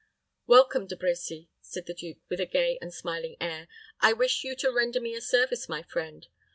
"Welcome, De Brecy," said the duke, with a gay and smiling air; "I wish you to render me a service, my friend.